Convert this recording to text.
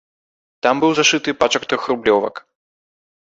Там быў зашыты пачак трохрублёвак.